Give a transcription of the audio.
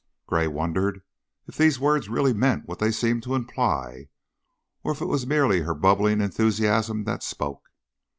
Gray wondered if these words really meant what they seemed to imply, or if it was merely her bubbling, enthusiasm that spoke.